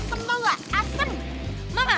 dia tuh asem tau gak